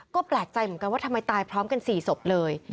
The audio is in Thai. ก็แปลกใจเหมือนกันว่าทำไมตายพร้อมกัน๔ศพเลย